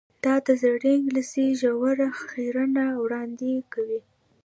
دا د زړې انګلیسي ژوره څیړنه وړاندې کوي.